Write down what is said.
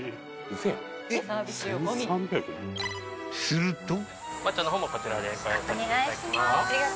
［すると］